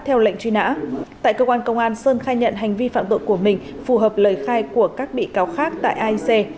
theo lệnh truy nã tại cơ quan công an sơn khai nhận hành vi phạm tội của mình phù hợp lời khai của các bị cáo khác tại aic